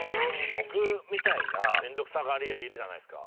僕みたいな面倒くさがり屋いるじゃないですか。